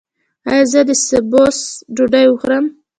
ایا زه د سبوس ډوډۍ وخورم؟